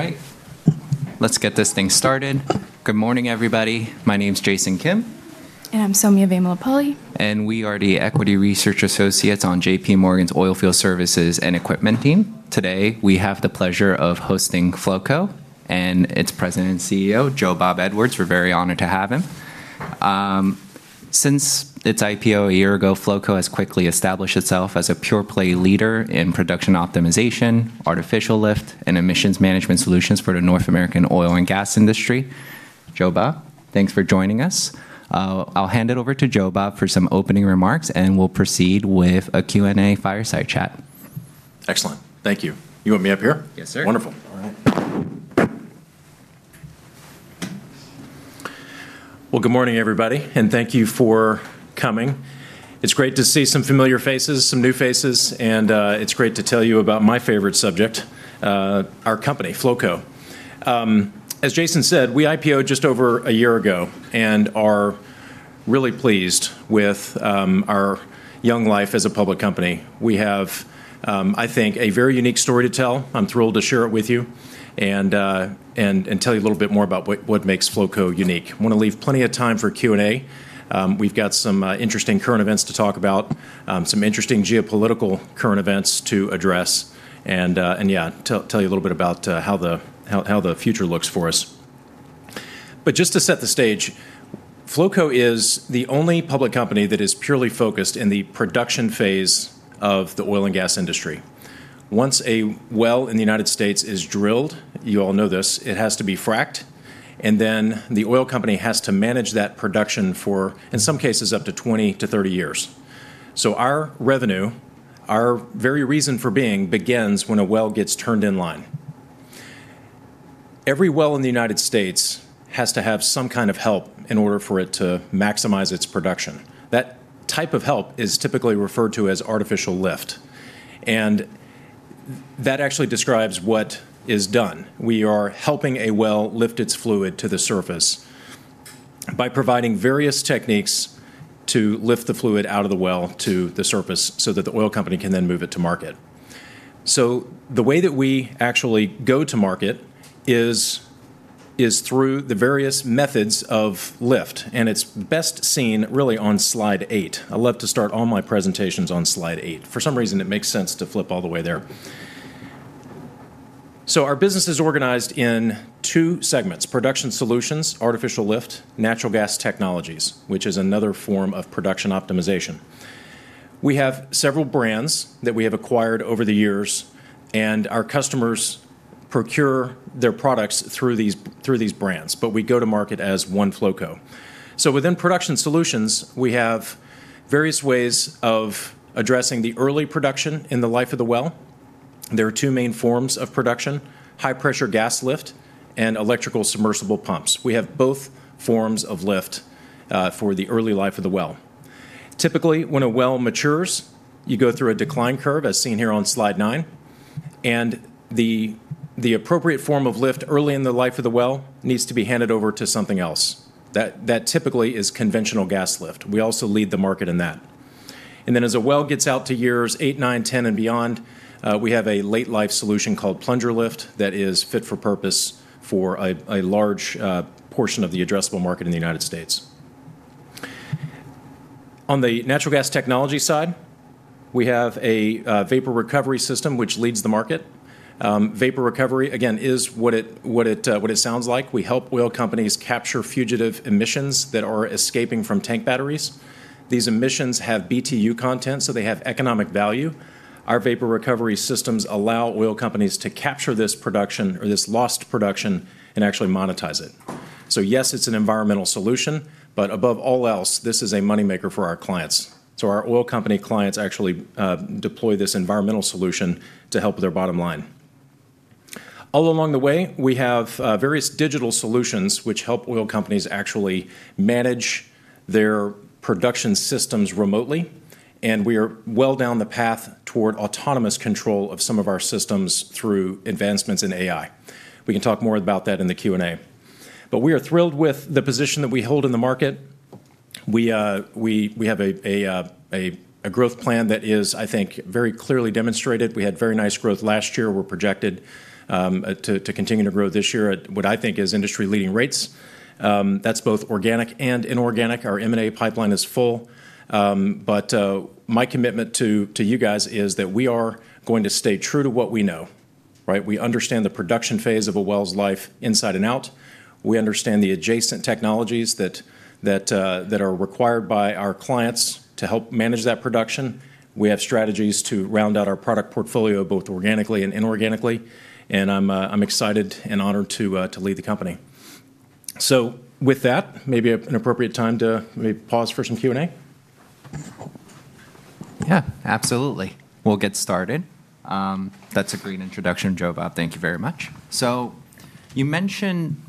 All right. Let's get this thing started. Good morning, everybody. My name's Jason Kim. I'm Sowmya Vemulapalli. We are the equity research associates on JPMorgan's Oilfield Services and Equipment team. Today, we have the pleasure of hosting Flowco and its President and CEO, Joe Bob Edwards. We're very honored to have him. Since its IPO a year ago, Flowco has quickly established itself as a pure play leader in production optimization, artificial lift, and emissions management solutions for the North American oil and gas industry. Joe Bob, thanks for joining us. I'll hand it over to Joe Bob for some opening remarks, and we'll proceed with a Q&A fireside chat. Excellent. Thank you. You want me up here? Yes, sir. Good morning, everybody, Thank you for coming. It is great to see some familiar faces, some new faces, It is great to tell you about my favorite subject, our company, Flowco. As Jason said, we IPO'd just over a year ago Are really pleased with our young life as a public company. We have, I think, a very unique story to tell. I am thrilled to share it with you Tell you a little bit more about what makes Flowco unique. I want to leave plenty of time for Q&A. We have got some interesting current events to talk about, some interesting geopolitical current events to address, Tell you a little bit about how the future looks for us. Just to set the stage, Flowco is the only public company that is purely focused in the production phase of the oil and gas industry. Once a well in the United States is drilled, you all know this, it has to be fracked, Then the oil company has to manage that production for, in some cases, up to 20-30 years. Our revenue, our very reason for being, begins when a well gets turned in line. Every well in the U.S. has to have some kind of help in order for it to maximize its production. That type of help is typically referred to as artificial lift. That actually describes what is done. We are helping a well lift its fluid to the surface by providing various techniques to lift the fluid out of the well to the surface That the oil company can then move it to market. The way that we actually go to market is through the various methods of lift, It is best seen really on slide eight. I love to start all my presentations on slide eight. For some reason, it makes sense to flip all the way there. Our business is organized in two segments: Production Solutions (artificial lift), Natural Gas Technologies, which is another form of production optimization. We have several brands that we have acquired over the years, and our customers procure their products through these brands, but we go to market as one Flowco. Within Production Solutions, we have various ways of addressing the early production in the life of the well. There are two main forms of production, high-pressure gas lift and electrical submersible pumps. We have both forms of lift for the early life of the well. Typically, when a well matures, you go through a decline curve, as seen here on slide nine. The appropriate form of lift early in the life of the well needs to be handed over to something else. That typically is conventional gas lift. We also lead the market in that. As a well gets out to years eight, nine, 10, and beyond, we have a late-life solution called plunger lift that is fit for purpose for a large portion of the addressable market in the United States. On the Natural Gas Technologies side, we have a vapor recovery system which leads the market. Vapor recovery, again, is what it sounds like. We help oil companies capture fugitive emissions that are escaping from tank batteries. These emissions have BTU content, so they have economic value. Our vapor recovery systems allow oil companies to capture this production or this lost production and actually monetize it. Yes, it's an environmental solution, but above all else, this is a moneymaker for our clients. Our oil company clients actually deploy this environmental solution to help with their bottom line. All along the way, we have various digital solutions which help oil companies actually manage their production systems remotely. We are well down the path toward autonomous control of some of our systems through advancements in AI. We can talk more about that in the Q&A. We are thrilled with the position that we hold in the market. We have a growth plan that is, I think, very clearly demonstrated. We had very nice growth last year. We're projected to continue to grow this year at what I think is industry-leading rates. That's both organic and inorganic. Our M&A pipeline is full. My commitment to you guys is that we are going to stay true to what we know. We understand the production phase of a well's life inside and out. We understand the adjacent technologies that are required by our clients to help manage that production. We have strategies to round out our product portfolio, both organically and inorganically. I'm excited and honored to lead the company. With that, maybe an appropriate time to maybe pause for some Q&A? Yeah, absolutely. We'll get started. That's a great introduction, Joe Bob. Thank you very much. You mention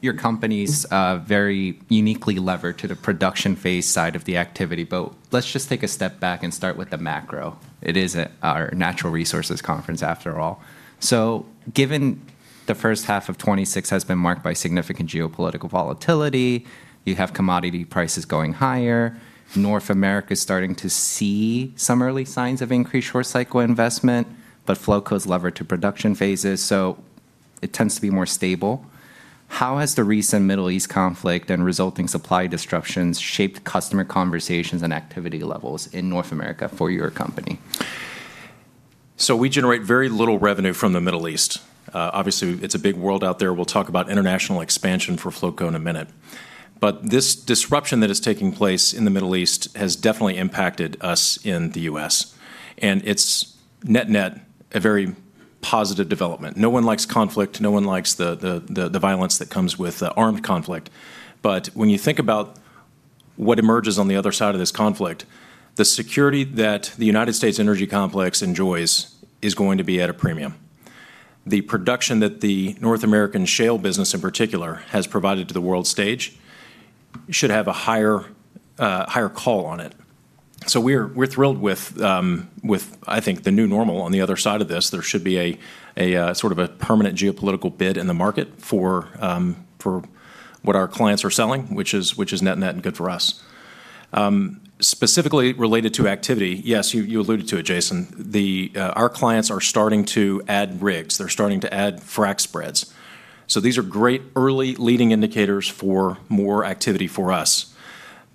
your company's very uniquely levered to the production phase side of the activity. Let's just take a step back and start with the macro. It is our Natural Resources Conference, after all. Given the first half of 2026 has been marked by significant geopolitical volatility, you have commodity prices going higher. North America's starting to see some early signs of increased short cycle investment. Flowco's levered to production phases. It tends to be more stable. How has the recent Middle East conflict and resulting supply disruptions shaped customer conversations and activity levels in North America for your company? We generate very little revenue from the Middle East. Obviously, it's a big world out there. We'll talk about international expansion for Flowco in a minute. This disruption that is taking place in the Middle East has definitely impacted us in the U.S., and it's net-net a very positive development. No one likes conflict, no one likes the violence that comes with armed conflict. When you think about what emerges on the other side of this conflict, the security that the United States energy complex enjoys is going to be at a premium. The production that the North American shale business in particular has provided to the world stage should have a higher call on it. We're thrilled with, I think, the new normal on the other side of this. There should be a sort of a permanent geopolitical bid in the market for what our clients are selling, which is net good for us. Specifically related to activity, yes, you alluded to it, Jason, our clients are starting to add rigs. They're starting to add frac spreads. These are great early leading indicators for more activity for us.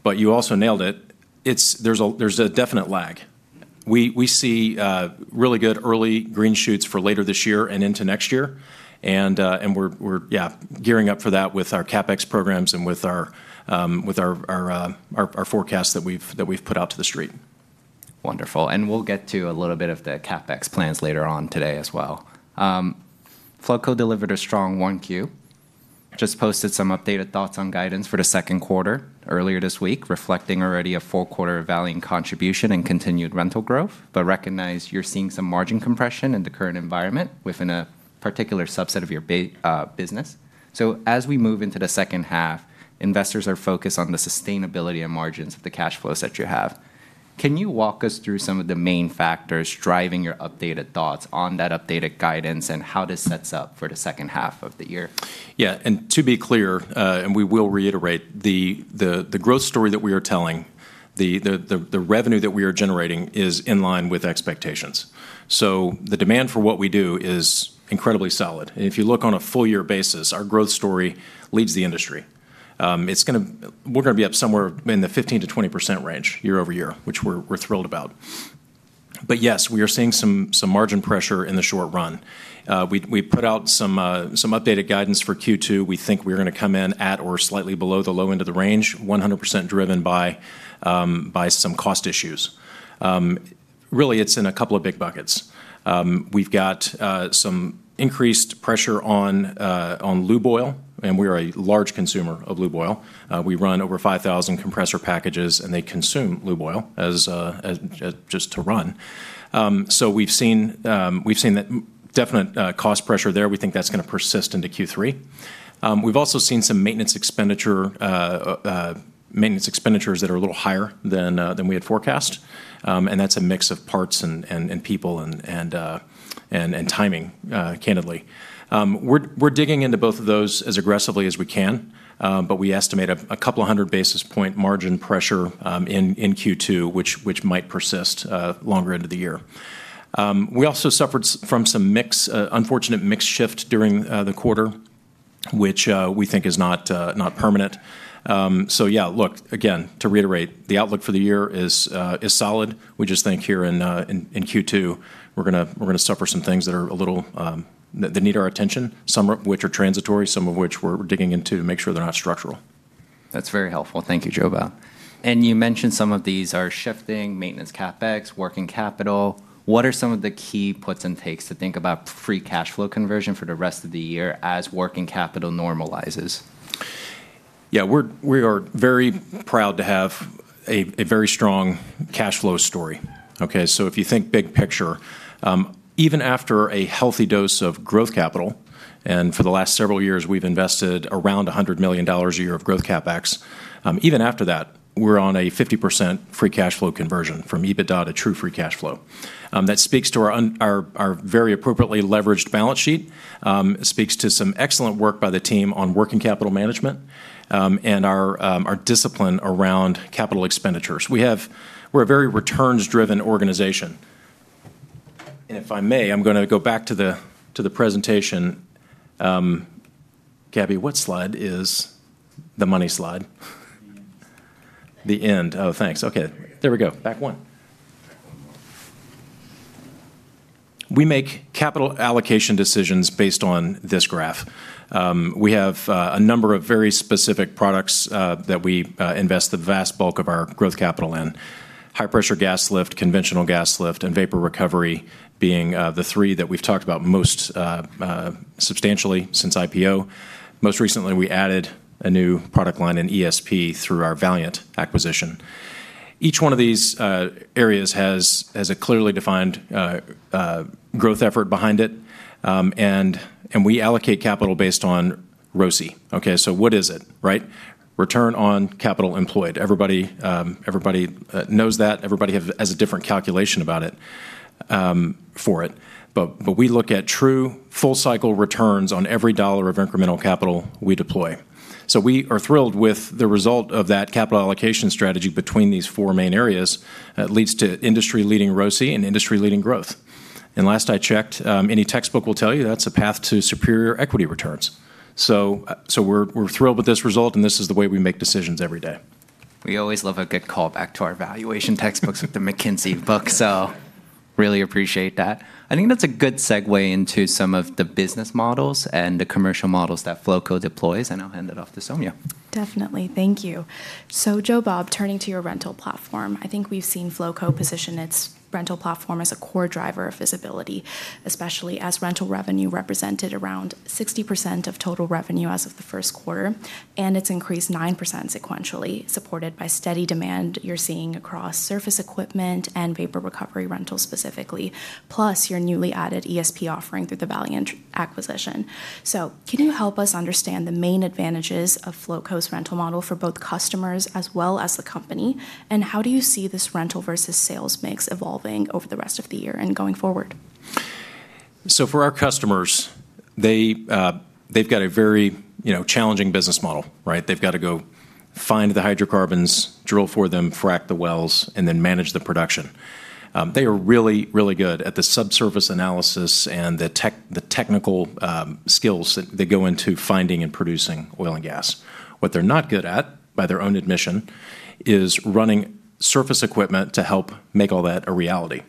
You also nailed it. There's a definite lag. We see really good early green shoots for later this year and into next year. We're gearing up for that with our CapEx programs and with our forecasts that we've put out to the street. Wonderful. We'll get to a little bit of the CapEx plans later on today as well. Flowco delivered a strong 1Q. Just posted some updated thoughts on guidance for the second quarter earlier this week, reflecting already a full quarter of Valiant contribution and continued rental growth. Recognize you're seeing some margin compression in the current environment within a particular subset of your business. As we move into the second half, investors are focused on the sustainability and margins of the cash flows that you have. Can you walk us through some of the main factors driving your updated thoughts on that updated guidance and how this sets up for the second half of the year? Yeah. To be clear, and we will reiterate, the growth story that we are telling, the revenue that we are generating is in line with expectations. The demand for what we do is incredibly solid. If you look on a full-year basis, our growth story leads the industry. We're going to be up somewhere in the 15%-20% range year-over-year, which we're thrilled about. Yes, we are seeing some margin pressure in the short run. We put out some updated guidance for Q2. We think we're going to come in at or slightly below the low end of the range, 100% driven by some cost issues. Really, it's in a couple of big buckets. We've got some increased pressure on lube oil, we are a large consumer of lube oil. We run over 5,000 compressor packages, and they consume lube oil just to run. We've seen definite cost pressure there. We think that's going to persist into Q3. We've also seen some maintenance expenditures that are a little higher than we had forecast. That's a mix of parts and people and timing, candidly. We're digging into both of those as aggressively as we can. We estimate a couple of hundred basis point margin pressure in Q2, which might persist longer into the year. We also suffered from some unfortunate mix shift during the quarter, which we think is not permanent. Yeah, look, again, to reiterate, the outlook for the year is solid. We just think here in Q2, we're going to suffer some things that need our attention, some of which are transitory, some of which we're digging into to make sure they're not structural. That's very helpful. Thank you, Joe Bob. You mentioned some of these are shifting, maintenance CapEx, working capital. What are some of the key puts and takes to think about free cash flow conversion for the rest of the year as working capital normalizes? We are very proud to have a very strong cash flow story. Okay? If you think big picture, even after a healthy dose of growth capital, and for the last several years, we've invested around $100 million a year of growth CapEx. Even after that, we're on a 50% free cash flow conversion from EBITDA to true free cash flow. That speaks to our very appropriately leveraged balance sheet. It speaks to some excellent work by the team on working capital management, and our discipline around capital expenditures. We're a very returns-driven organization. If I may, I'm going to go back to the presentation. Gabby, what slide is the money slide? The end. The end. Oh, thanks. Okay. There we go. Back one. Back one more. We make capital allocation decisions based on this graph. We have a number of very specific products that we invest the vast bulk of our growth capital in. High-pressure gas lift, conventional gas lift, and vapor recovery being the three that we've talked about most substantially since IPO. Most recently, we added a new product line in ESP through our Valiant acquisition. Each one of these areas has a clearly defined growth effort behind it. We allocate capital based on ROCE. Okay, what is it? Return on capital employed. Everybody knows that. Everybody has a different calculation about it, for it. We look at true full-cycle returns on every dollar of incremental capital we deploy. We are thrilled with the result of that capital allocation strategy between these four main areas that leads to industry-leading ROCE and industry-leading growth. Last I checked, any textbook will tell you that's a path to superior equity returns. We're thrilled with this result, and this is the way we make decisions every day. We always love a good call back to our valuation textbooks with the McKinsey book, really appreciate that. I think that's a good segue into some of the business models and the commercial models that Flowco deploys, and I'll hand it off to Sowmya. Definitely. Thank you. Joe Bob, turning to your rental platform, I think we've seen Flowco position its rental platform as a core driver of visibility, especially as rental revenue represented around 60% of total revenue as of the first quarter, and it's increased 9% sequentially, supported by steady demand you're seeing across surface equipment and vapor recovery rentals specifically, plus your newly added ESP offering through the Valiant acquisition. Can you help us understand the main advantages of Flowco's rental model for both customers as well as the company? And how do you see this rental versus sales mix evolving over the rest of the year and going forward? For our customers, they've got a very challenging business model, right? They've got to go find the hydrocarbons, drill for them, frack the wells, and then manage the production. They are really, really good at the subsurface analysis and the technical skills that go into finding and producing oil and gas. What they're not good at, by their own admission, is running surface equipment to help make all that a reality.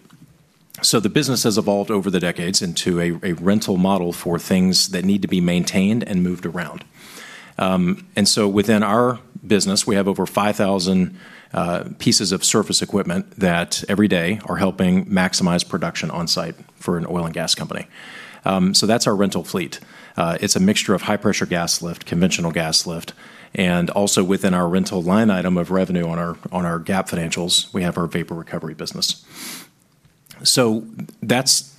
The business has evolved over the decades into a rental model for things that need to be maintained and moved around. Within our business, we have over 5,000 pieces of surface equipment that every day are helping maximize production on site for an oil and gas company. That's our rental fleet. It's a mixture of high-pressure gas lift, conventional gas lift, and also within our rental line item of revenue on our GAAP financials, we have our vapor recovery business. That's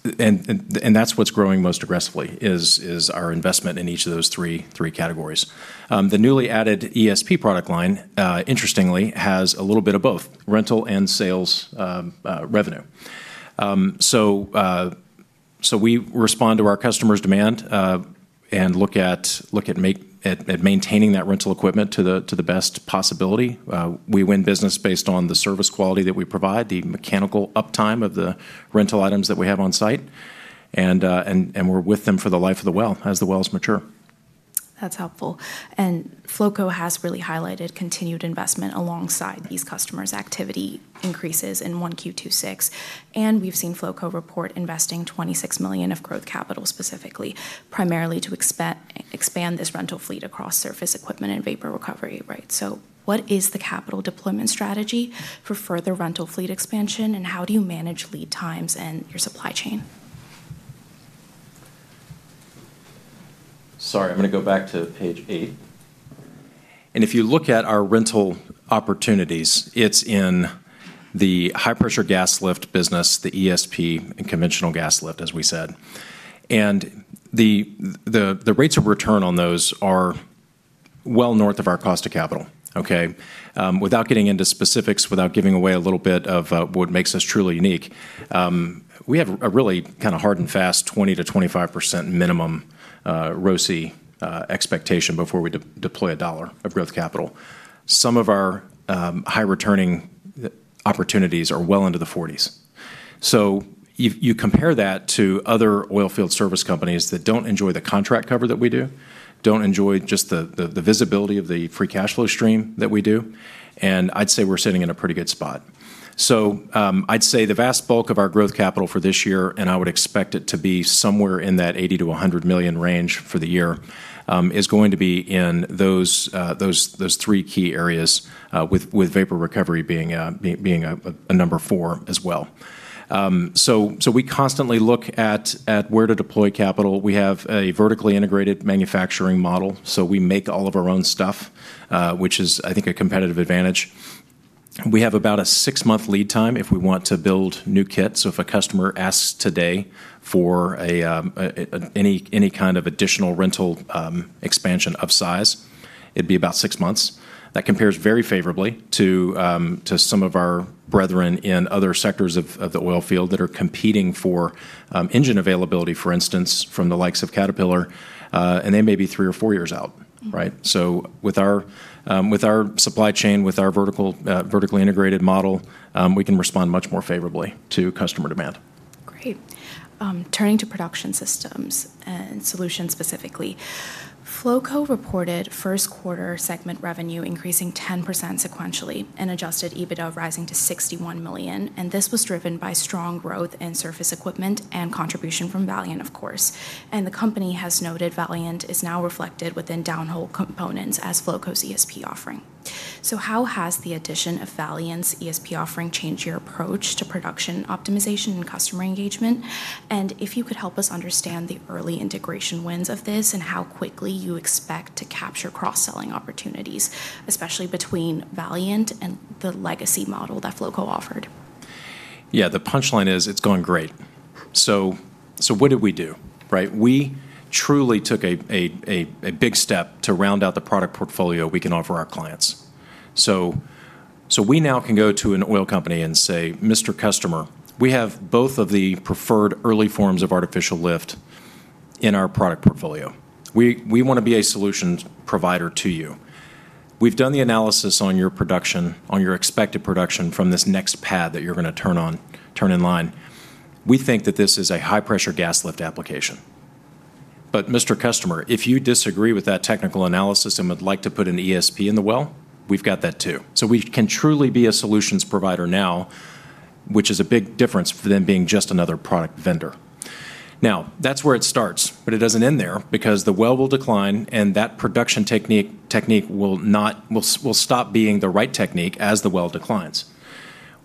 what's growing most aggressively is our investment in each of those three categories. The newly added ESP product line, interestingly, has a little bit of both rental and sales revenue. We respond to our customer's demand and look at maintaining that rental equipment to the best possibility. We win business based on the service quality that we provide, the mechanical uptime of the rental items that we have on site, and we're with them for the life of the well as the wells mature. That's helpful. Flowco has really highlighted continued investment alongside these customers' activity increases in 1Q 2026, and we've seen Flowco report investing $26 million of growth capital specifically, primarily to expand this rental fleet across surface equipment and vapor recovery, right? What is the capital deployment strategy for further rental fleet expansion, and how do you manage lead times and your supply chain? Sorry, I'm going to go back to page eight. If you look at our rental opportunities, it's in the high-pressure gas lift business, the ESP, and conventional gas lift, as we said. The rates of return on those are well north of our cost of capital, okay? Without getting into specifics, without giving away a little bit of what makes us truly unique, we have a really kind of hard and fast 20%-25% minimum ROCE expectation before we deploy $1 of growth capital. Some of our high-returning opportunities are well into the 40s. You compare that to other oil field service companies that don't enjoy the contract cover that we do, don't enjoy just the visibility of the free cash flow stream that we do, and I'd say we're sitting in a pretty good spot. I'd say the vast bulk of our growth capital for this year, and I would expect it to be somewhere in that $80 million-$100 million range for the year, is going to be in those three key areas, with vapor recovery being a number four as well. We constantly look at where to deploy capital. We have a vertically integrated manufacturing model, so we make all of our own stuff, which is, I think, a competitive advantage. We have about a six-month lead time if we want to build new kits. If a customer asks today for any kind of additional rental expansion of size, it'd be about six months. That compares very favorably to some of our brethren in other sectors of the oil field that are competing for engine availability, for instance, from the likes of Caterpillar, and they may be three or four years out, right? With our supply chain, with our vertically integrated model, we can respond much more favorably to customer demand. Great. Turning to Production Solutions specifically, Flowco reported first quarter segment revenue increasing 10% sequentially, adjusted EBITDA rising to $61 million, and this was driven by strong growth in surface equipment and contribution from Valiant, of course. The company has noted Valiant is now reflected within downhole components as Flowco's ESP offering. How has the addition of Valiant's ESP offering changed your approach to production optimization and customer engagement? If you could help us understand the early integration wins of this and how quickly you expect to capture cross-selling opportunities, especially between Valiant and the legacy model that Flowco offered. Yeah, the punchline is it's going great. What did we do, right? We truly took a big step to round out the product portfolio we can offer our clients. We now can go to an oil company and say, "Mr. Customer, we have both of the preferred early forms of artificial lift. In our product portfolio. We want to be a solutions provider to you. We've done the analysis on your expected production from this next pad that you're going to turn in line. We think that this is a high-pressure gas lift application. Mr. Customer, if you disagree with that technical analysis and would like to put an ESP in the well, we've got that too". We can truly be a solutions provider now, which is a big difference from them being just another product vendor. That's where it starts, it doesn't end there because the well will decline and that production technique will stop being the right technique as the well declines.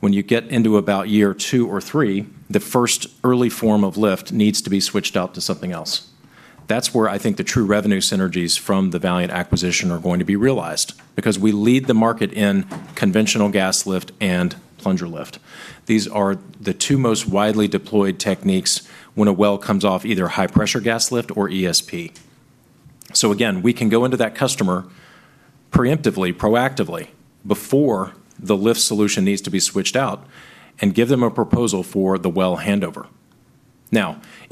When you get into about year two or three, the first early form of lift needs to be switched out to something else. That's where I think the true revenue synergies from the Valiant acquisition are going to be realized because we lead the market in conventional gas lift and plunger lift. These are the two most widely deployed techniques when a well comes off either high-pressure gas lift or ESP. Again, we can go into that customer preemptively, proactively before the lift solution needs to be switched out and give them a proposal for the well handover. In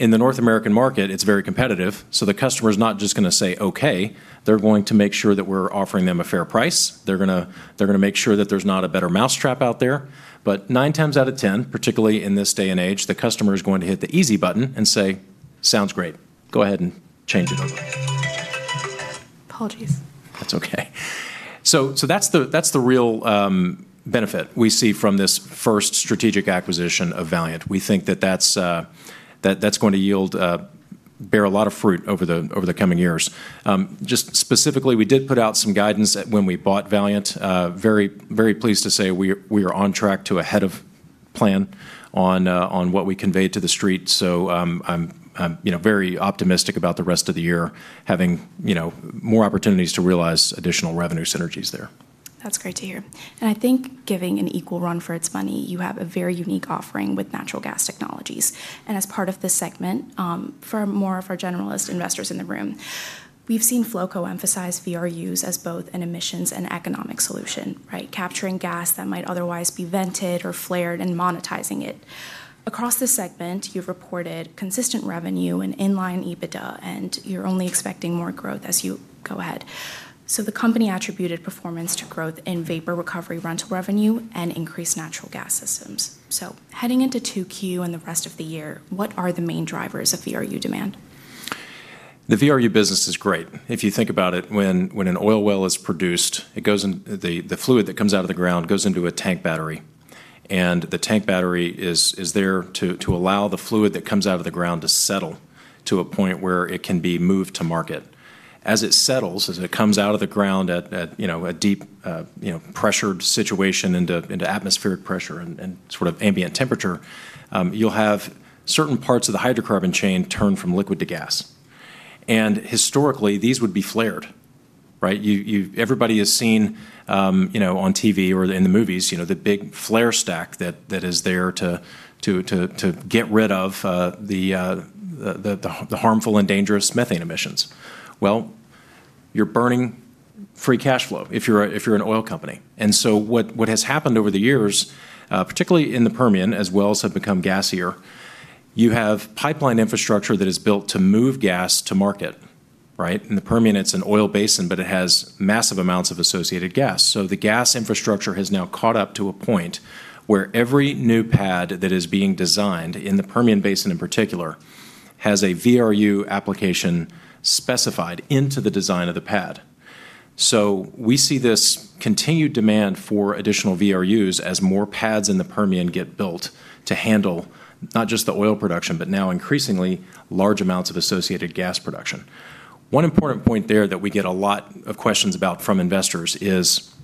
the North American market, it's very competitive, the customer's not just going to say okay. They're going to make sure that we're offering them a fair price. They're going to make sure that there's not a better mousetrap out there. Nine times out of 10, particularly in this day and age, the customer is going to hit the easy button and say, sounds great. Go ahead and change it over. Apologies. That's okay. That's the real benefit we see from this first strategic acquisition of Valiant. We think that that's going to bear a lot of fruit over the coming years. Just specifically, we did put out some guidance when we bought Valiant. Very pleased to say we are on track to ahead of plan on what we conveyed to the Street. I'm very optimistic about the rest of the year having more opportunities to realize additional revenue synergies there. That's great to hear. I think giving an equal run for its money, you have a very unique offering with Natural Gas Technologies. As part of this segment, for more of our generalist investors in the room, we've seen Flowco emphasize VRUs as both an emissions and economic solution, right? Capturing gas that might otherwise be vented or flared and monetizing it. Across the segment, you've reported consistent revenue and in-line EBITDA. You're only expecting more growth as you go ahead. The company attributed performance to growth in vapor recovery rental revenue and increased natural gas systems. Heading into 2Q and the rest of the year, what are the main drivers of VRU demand? The VRU business is great. If you think about it, when an oil well is produced, the fluid that comes out of the ground goes into a tank battery. The tank battery is there to allow the fluid that comes out of the ground to settle to a point where it can be moved to market. As it settles, as it comes out of the ground at a deep pressured situation into atmospheric pressure and sort of ambient temperature, you'll have certain parts of the hydrocarbon chain turn from liquid to gas. Historically, these would be flared. Right? Everybody has seen on TV or in the movies the big flare stack that is there to get rid of the harmful and dangerous methane emissions. Well, you're burning free cash flow if you're an oil company. What has happened over the years, particularly in the Permian, as wells have become gassier, you have pipeline infrastructure that is built to move gas to market. Right? In the Permian, it's an oil basin, but it has massive amounts of associated gas. The gas infrastructure has now caught up to a point where every new pad that is being designed, in the Permian basin in particular, has a VRU application specified into the design of the pad. We see this continued demand for additional VRUs as more pads in the Permian get built to handle not just the oil production, but now increasingly large amounts of associated gas production. One important point there that we get a lot of questions about from investors is,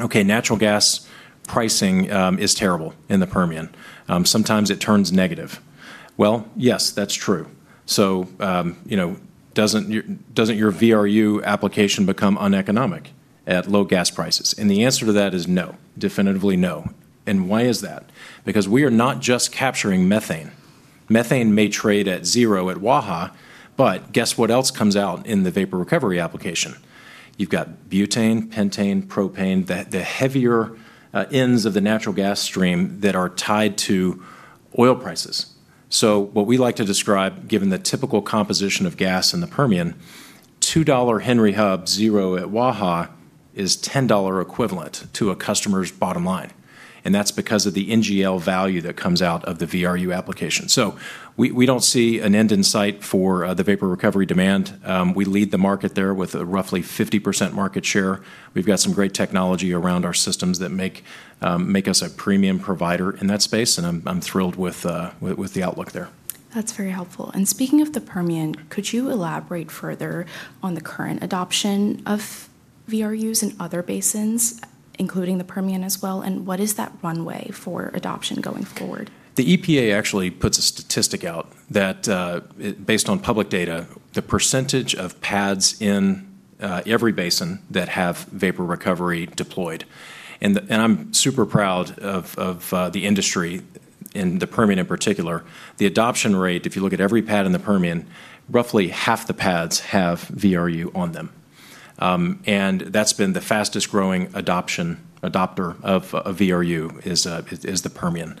okay, natural gas pricing is terrible in the Permian. Sometimes it turns negative. Well, yes, that's true. Doesn't your VRU application become uneconomic at low gas prices? The answer to that is no, definitively no. Why is that? We are not just capturing methane. Methane may trade at zero at Waha, but guess what else comes out in the vapor recovery application? You've got butane, pentane, propane, the heavier ends of the natural gas stream that are tied to oil prices. What we like to describe, given the typical composition of gas in the Permian, $2 Henry Hub zero at Waha is $10 equivalent to a customer's bottom line, and that's because of the NGL value that comes out of the VRU application. We don't see an end in sight for the vapor recovery demand. We lead the market there with a roughly 50% market share. We've got some great technology around our systems that make us a premium provider in that space, and I'm thrilled with the outlook there. That's very helpful. Speaking of the Permian, could you elaborate further on the current adoption of VRUs in other basins, including the Permian as well, and what is that runway for adoption going forward? The EPA actually puts a statistic out that, based on public data, the percentage of pads in every basin that have vapor recovery deployed. I'm super proud of the industry and the Permian in particular. The adoption rate, if you look at every pad in the Permian, roughly half the pads have VRU on them. That's been the fastest-growing adopter of VRU is the Permian.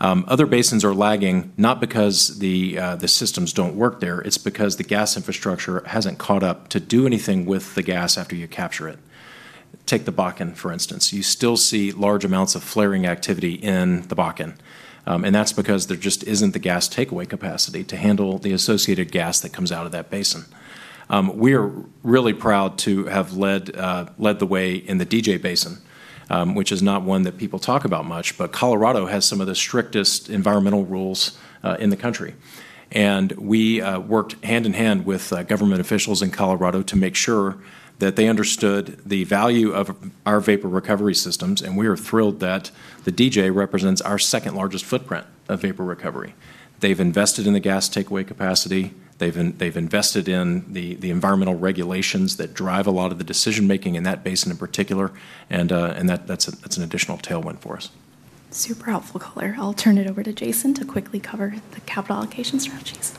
Other basins are lagging, not because the systems don't work there. It's because the gas infrastructure hasn't caught up to do anything with the gas after you capture it. Take the Bakken, for instance. You still see large amounts of flaring activity in the Bakken, and that's because there just isn't the gas takeaway capacity to handle the associated gas that comes out of that basin. We are really proud to have led the way in the DJ Basin, which is not one that people talk about much. Colorado has some of the strictest environmental rules in the country. We worked hand-in-hand with government officials in Colorado to make sure that they understood the value of our vapor recovery systems. We are thrilled that the DJ represents our second-largest footprint of vapor recovery. They've invested in the gas takeaway capacity. They've invested in the environmental regulations that drive a lot of the decision-making in that basin in particular. That's an additional tailwind for us. Super helpful color. I'll turn it over to Jason to quickly cover the capital allocation strategies.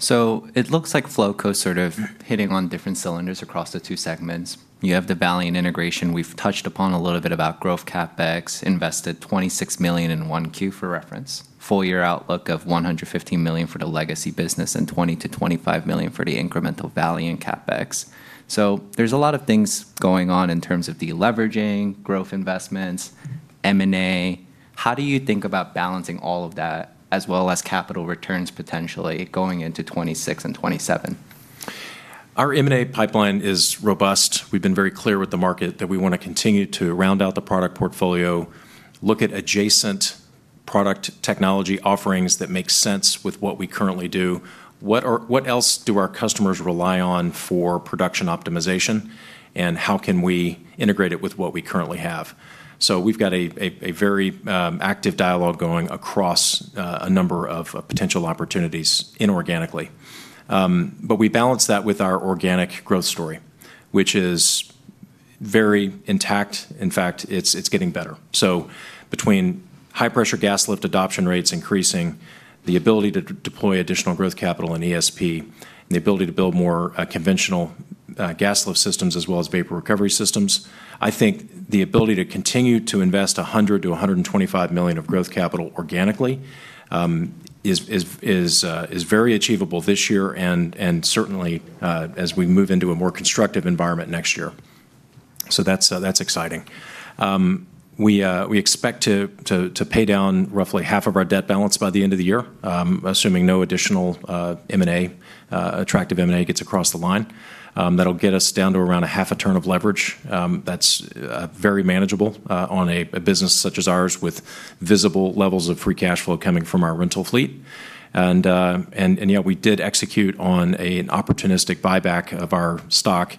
It looks like Flowco's sort of hitting on different cylinders across the two segments. You have the value and integration. We've touched upon a little bit about growth CapEx, invested $26 million in 1Q for reference, full year outlook of $115 million for the legacy business and $20 million-$25 million for the incremental Valiant CapEx. There's a lot of things going on in terms of deleveraging, growth investments, M&A. How do you think about balancing all of that as well as capital returns potentially going into 2026 and 2027? Our M&A pipeline is robust. We've been very clear with the market that we want to continue to round out the product portfolio, look at adjacent product technology offerings that make sense with what we currently do. What else do our customers rely on for production optimization, and how can we integrate it with what we currently have? We've got a very active dialogue going across a number of potential opportunities inorganically. We balance that with our organic growth story, which is very intact. In fact, it's getting better. Between high-pressure gas lift adoption rates increasing, the ability to deploy additional growth capital in ESP, and the ability to build more conventional gas lift systems as well as vapor recovery systems, I think the ability to continue to invest $100 million-$125 million of growth capital organically is very achievable this year and certainly as we move into a more constructive environment next year. That's exciting. We expect to pay down roughly half of our debt balance by the end of the year, assuming no additional M&A, attractive M&A gets across the line. That'll get us down to around a half a turn of leverage. That's very manageable on a business such as ours with visible levels of free cash flow coming from our rental fleet. Yet we did execute on an opportunistic buyback of our stock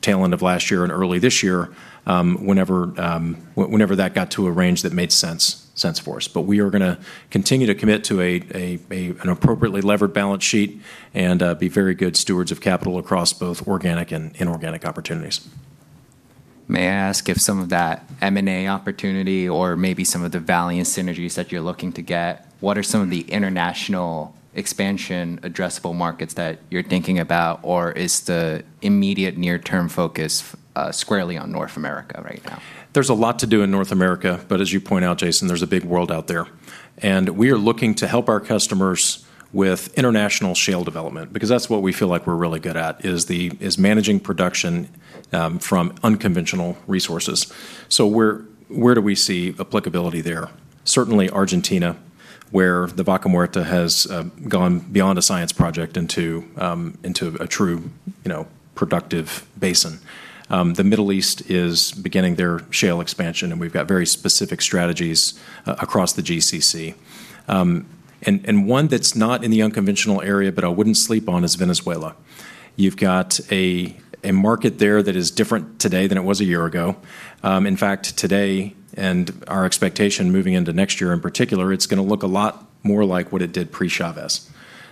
tail end of last year and early this year, whenever that got to a range that made sense for us. We are going to continue to commit to an appropriately levered balance sheet and be very good stewards of capital across both organic and inorganic opportunities. May I ask if some of that M&A opportunity or maybe some of the value and synergies that you're looking to get, what are some of the international expansion addressable markets that you're thinking about, or is the immediate near-term focus squarely on North America right now? There's a lot to do in North America, but as you point out, Jason, there's a big world out there, and we are looking to help our customers with international shale development because that's what we feel like we're really good at, is managing production from unconventional resources. Where do we see applicability there? Certainly Argentina, where the Vaca Muerta has gone beyond a science project into a true productive basin. The Middle East is beginning their shale expansion, and we've got very specific strategies across the GCC. One that's not in the unconventional area, but I wouldn't sleep on, is Venezuela. You've got a market there that is different today than it was a year ago. In fact, today, and our expectation moving into next year in particular, it's going to look a lot more like what it did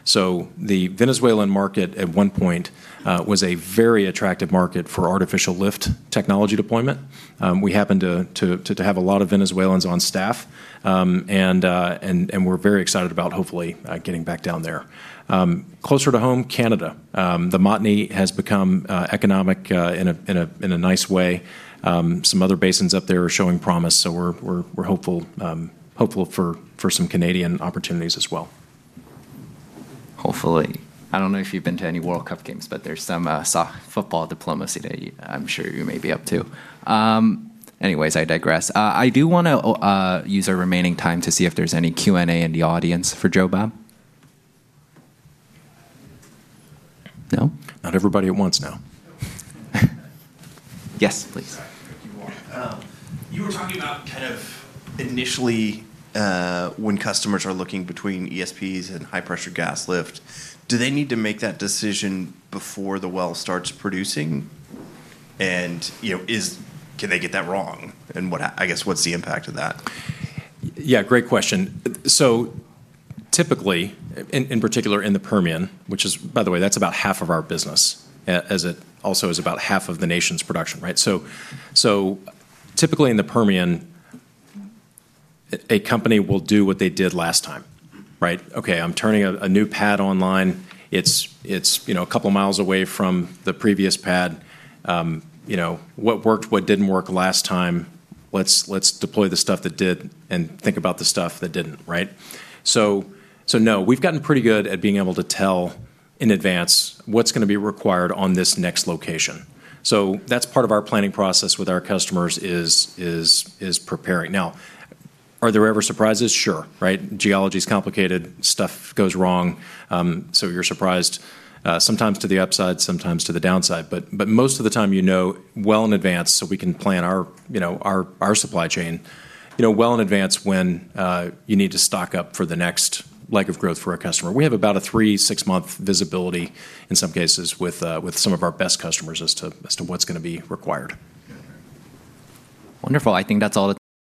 pre-Chavez. The Venezuelan market at one point was a very attractive market for artificial lift technology deployment. We happen to have a lot of Venezuelans on staff. We're very excited about hopefully getting back down there. Closer to home, Canada. The Montney has become economic in a nice way. Some other basins up there are showing promise, so we're hopeful for some Canadian opportunities as well. Hopefully. I don't know if you've been to any World Cup games, but there's some soft football diplomacy that I'm sure you may be up to. Anyways, I digress. I do want to use our remaining time to see if there's any Q&A in the audience for Joe Bob. No? Not everybody at once, now. Yes, please. Thank you. You were talking about initially when customers are looking between ESPs and high-pressure gas lift, do they need to make that decision before the well starts producing? Can they get that wrong, and I guess what's the impact of that? Great question. Typically, in particular in the Permian, which is, by the way, that's about half of our business, as it also is about half of the nation's production. Typically, in the Permian, a company will do what they did last time. Okay, I'm turning a new pad online. It's a couple of miles away from the previous pad. What worked, what didn't work last time? Let's deploy the stuff that did and think about the stuff that didn't. No, we've gotten pretty good at being able to tell in advance what's going to be required on this next location. That's part of our planning process with our customers, is preparing. Are there ever surprises? Sure. Geology's complicated. Stuff goes wrong. You're surprised, sometimes to the upside, sometimes to the downside. Most of the time you know well in advance, we can plan our supply chain well in advance when you need to stock up for the next leg of growth for a customer. We have about a three, six-month visibility in some cases with some of our best customers as to what's going to be required. Wonderful. I think that's all the time.